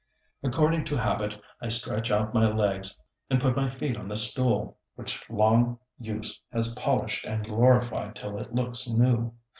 According to habit, I stretch out my legs and put my feet on the stool, which long use has polished and glorified till it looks new.